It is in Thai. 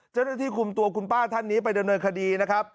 เจ้าหน้าที่คุมตัวคุณป้าท่านนี้ไปดำเนินคดีนะครับ